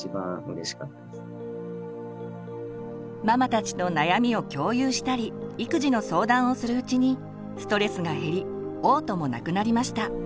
ママたちと悩みを共有したり育児の相談をするうちにストレスが減りおう吐もなくなりました。